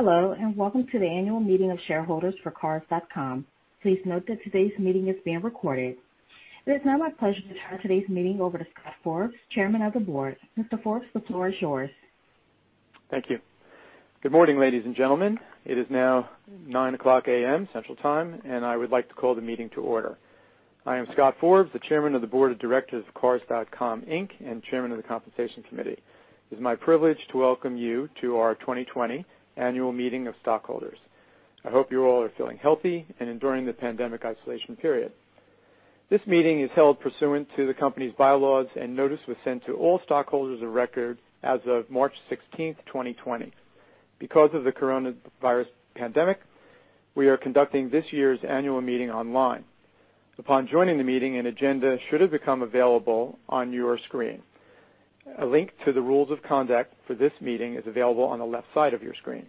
Hello, and welcome to the annual meeting of shareholders for Cars.com. Please note that today's meeting is being recorded. It is now my pleasure to turn today's meeting over to Scott Forbes, Chairman of the Board. Mr. Forbes, the floor is yours. Thank you. Good morning, ladies and gentlemen. It is now 9:00 A.M. Central Time, and I would like to call the meeting to order. I am Scott Forbes, the Chairman of the Board of Directors of Cars.com Inc., and Chairman of the Compensation Committee. It is my privilege to welcome you to our 2020 annual meeting of stockholders. I hope you all are feeling healthy and enduring the pandemic isolation period. This meeting is held pursuant to the company's bylaws, and notice was sent to all stockholders of record as of March 16th, 2020. Because of the coronavirus pandemic, we are conducting this year's annual meeting online. Upon joining the meeting, an agenda should have become available on your screen. A link to the rules of conduct for this meeting is available on the left side of your screen.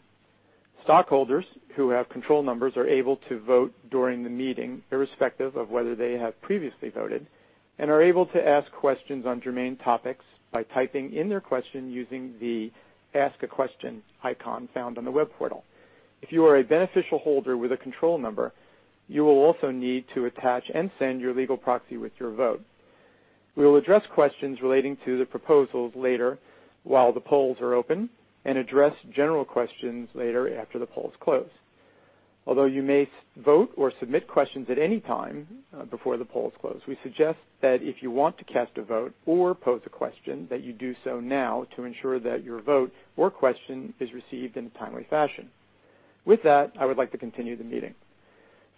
Stockholders who have control numbers are able to vote during the meeting, irrespective of whether they have previously voted, and are able to ask questions on germane topics by typing in their question using the Ask a Question icon found on the web portal. If you are a beneficial holder with a control number, you will also need to attach and send your legal proxy with your vote. We will address questions relating to the proposals later while the polls are open and address general questions later after the polls close. Although you may vote or submit questions at any time before the polls close, we suggest that if you want to cast a vote or pose a question, that you do so now to ensure that your vote or question is received in a timely fashion. With that, I would like to continue the meeting.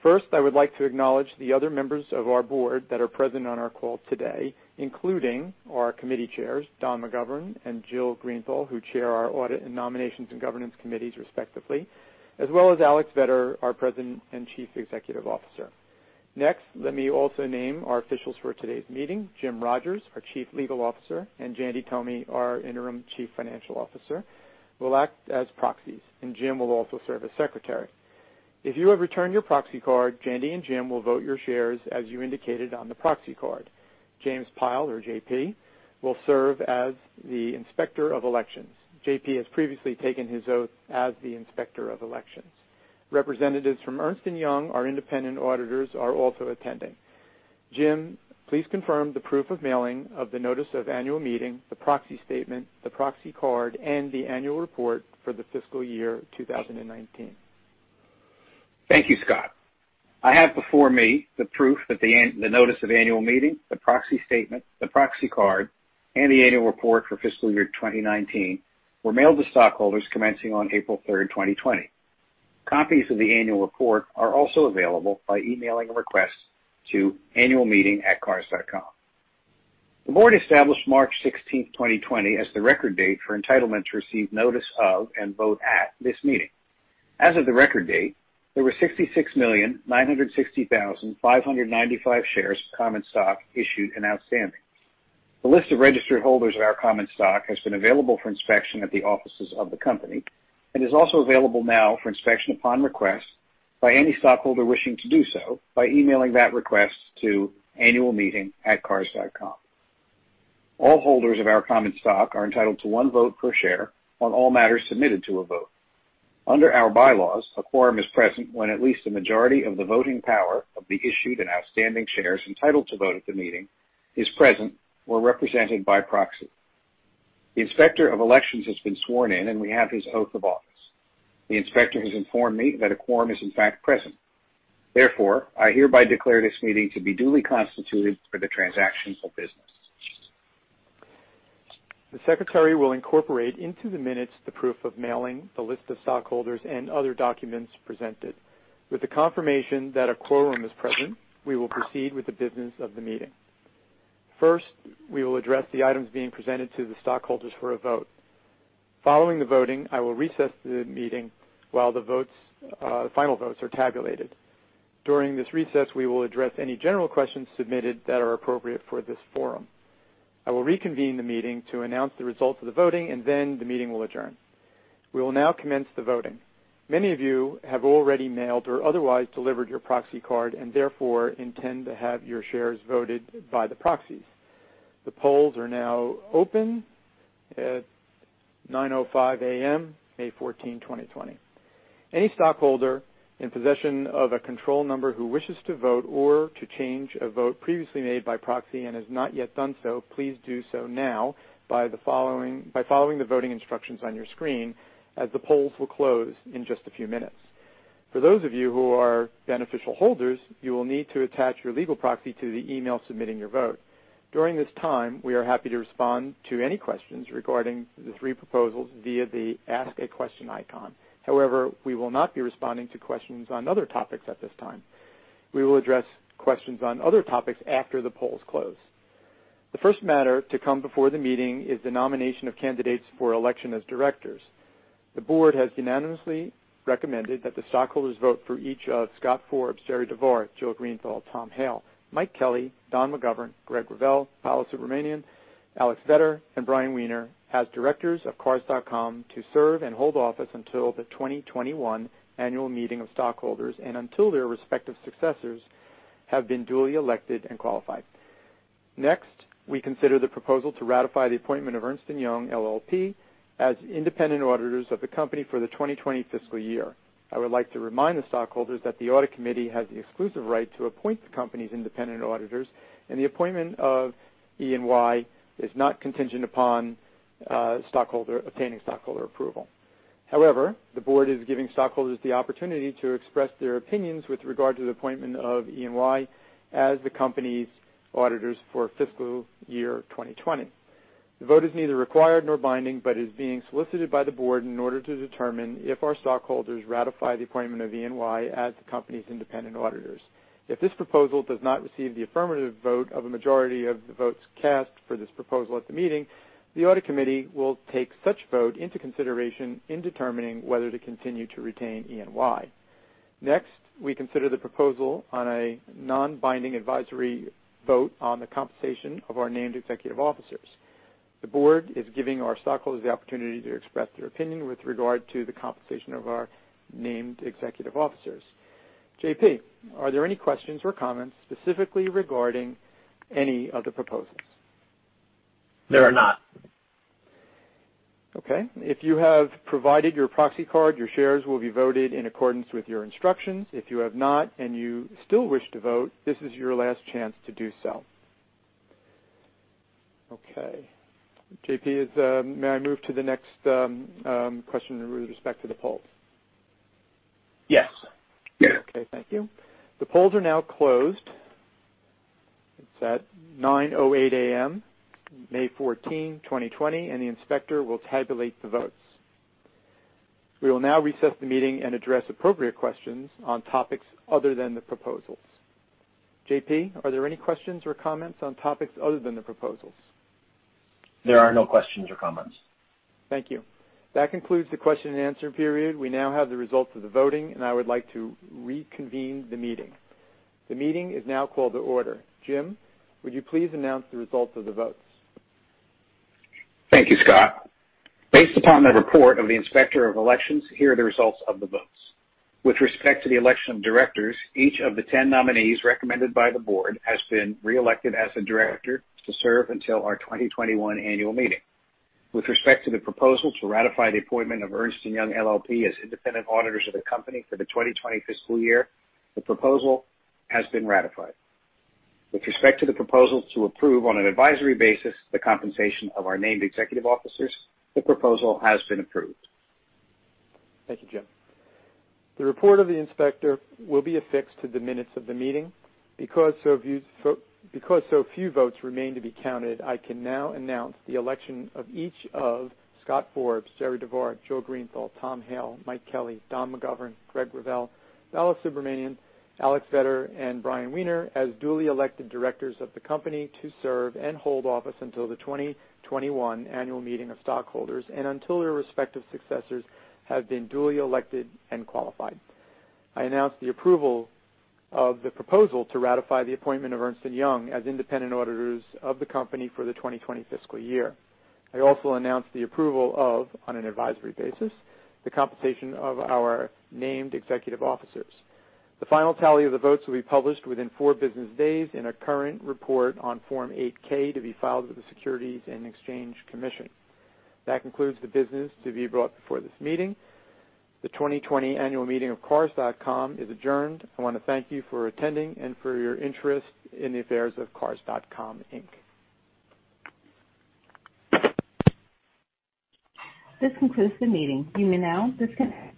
First, I would like to acknowledge the other members of our board that are present on our call today, including our committee chairs, Don McGovern and Jill Greenthal, who chair our Audit and Nominations and Governance Committees respectively, as well as Alex Vetter, our President and Chief Executive Officer. Let me also name our officials for today's meeting. Jim Rogers, our Chief Legal Officer, and Jandy Tomy, our Interim Chief Financial Officer, will act as proxies, and Jim will also serve as secretary. If you have returned your proxy card, Jandy and Jim will vote your shares as you indicated on the proxy card. James Pyle, or JP, will serve as the Inspector of Elections. JP has previously taken his oath as the Inspector of Elections. Representatives from Ernst & Young, our independent auditors, are also attending. Jim, please confirm the proof of mailing of the notice of annual meeting, the proxy statement, the proxy card, and the annual report for the fiscal year 2019. Thank you, Scott. I have before me the proof that the notice of annual meeting, the proxy statement, the proxy card, and the annual report for fiscal year 2019 were mailed to stockholders commencing on April 3, 2020. Copies of the annual report are also available by emailing a request to annualmeeting@cars.com. The board established March 16, 2020, as the record date for entitlement to receive notice of and vote at this meeting. As of the record date, there were 66,960,595 shares of common stock issued and outstanding. The list of registered holders of our common stock has been available for inspection at the offices of the company and is also available now for inspection upon request by any stockholder wishing to do so by emailing that request to annualmeeting@cars.com. All holders of our common stock are entitled to one vote per share on all matters submitted to a vote. Under our bylaws, a quorum is present when at least a majority of the voting power of the issued and outstanding shares entitled to vote at the meeting is present or represented by proxy. The Inspector of Elections has been sworn in, and we have his oath of office. The Inspector has informed me that a quorum is in fact present. Therefore, I hereby declare this meeting to be duly constituted for the transaction of business. The secretary will incorporate into the minutes the proof of mailing, the list of stockholders, and other documents presented. With the confirmation that a quorum is present, we will proceed with the business of the meeting. First, we will address the items being presented to the stockholders for a vote. Following the voting, I will recess the meeting while the final votes are tabulated. During this recess, we will address any general questions submitted that are appropriate for this forum. I will reconvene the meeting to announce the results of the voting, and then the meeting will adjourn. We will now commence the voting. Many of you have already mailed or otherwise delivered your proxy card and therefore intend to have your shares voted by the proxies. The polls are now open at 9:05 A.M., May 14th, 2020. Any stockholder in possession of a control number who wishes to vote or to change a vote previously made by proxy and has not yet done so, please do so now by following the voting instructions on your screen, as the polls will close in just a few minutes. For those of you who are beneficial holders, you will need to attach your legal proxy to the email submitting your vote. During this time, we are happy to respond to any questions regarding the three proposals via the Ask a Question icon. However, we will not be responding to questions on other topics at this time. We will address questions on other topics after the polls close. The first matter to come before the meeting is the nomination of candidates for election as directors. The board has unanimously recommended that the stockholders vote for each of Scott Forbes, Jerri DeVard, Jill Greenthal, Tom Hale, Mike Kelly, Don McGovern, Greg Revelle, Bala Subramanian, Alex Vetter, and Bryan Wiener as directors of Cars.com to serve and hold office until the 2021 annual meeting of stockholders and until their respective successors have been duly elected and qualified. Next, we consider the proposal to ratify the appointment of Ernst & Young LLP as independent auditors of the company for the 2020 fiscal year. I would like to remind the stockholders that the audit committee has the exclusive right to appoint the company's independent auditors, and the appointment of E&Y is not contingent upon obtaining stockholder approval. However, the board is giving stockholders the opportunity to express their opinions with regard to the appointment of E&Y as the company's auditors for fiscal year 2020. The vote is neither required nor binding but is being solicited by the board in order to determine if our stockholders ratify the appointment of E&Y as the company's independent auditors. If this proposal does not receive the affirmative vote of a majority of the votes cast for this proposal at the meeting, the audit committee will take such vote into consideration in determining whether to continue to retain E&Y. Next, we consider the proposal on a non-binding advisory vote on the compensation of our named executive officers. The board is giving our stockholders the opportunity to express their opinion with regard to the compensation of our named executive officers. JP, are there any questions or comments specifically regarding any of the proposals? There are not. Okay. If you have provided your proxy card, your shares will be voted in accordance with your instructions. If you have not and you still wish to vote, this is your last chance to do so. Okay. JP, may I move to the next question with respect to the polls? Yes. You may. Okay. Thank you. The polls are now closed. It's at 9:08 A.M., May 14, 2020, and the inspector will tabulate the votes. We will now recess the meeting and address appropriate questions on topics other than the proposals. JP, are there any questions or comments on topics other than the proposals? There are no questions or comments. Thank you. That concludes the question and answer period. We now have the results of the voting. I would like to reconvene the meeting. The meeting is now called to order. Jim, would you please announce the results of the votes? Thank you, Scott. Based upon the report of the inspector of elections, here are the results of the votes. With respect to the election of directors, each of the 10 nominees recommended by the board has been reelected as a director to serve until our 2021 annual meeting. With respect to the proposal to ratify the appointment of Ernst & Young LLP as independent auditors of the company for the 2020 fiscal year, the proposal has been ratified. With respect to the proposal to approve on an advisory basis the compensation of our named executive officers, the proposal has been approved. Thank you, Jim. The report of the inspector will be affixed to the minutes of the meeting. Because so few votes remain to be counted, I can now announce the election of each of Scott Forbes, Jerri DeVard, Jill Greenthal, Tom Hale, Mike Kelly, Don McGovern, Greg Revelle, Bala Subramanian, Alex Vetter, and Bryan Wiener as duly elected directors of the company to serve and hold office until the 2021 annual meeting of stockholders and until their respective successors have been duly elected and qualified. I announce the approval of the proposal to ratify the appointment of Ernst & Young as independent auditors of the company for the 2020 fiscal year. I also announce the approval of, on an advisory basis, the compensation of our named executive officers. The final tally of the votes will be published within four business days in a current report on Form 8-K to be filed with the Securities and Exchange Commission. That concludes the business to be brought before this meeting. The 2020 annual meeting of Cars.com is adjourned. I want to thank you for attending and for your interest in the affairs of Cars.com Inc. This concludes the meeting. You may now disconnect.